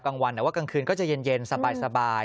กลางวันแต่ว่ากลางคืนก็จะเย็นสบาย